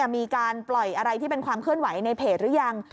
มีการปล่อยอะไรที่เป็นความเคลื่อนไหวในเพจหรือยัง